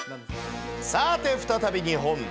さーて、再び日本。